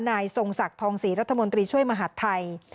นายทรงศักดิ์ทองศรีรัฐมนตรีช่วยมหาดไทย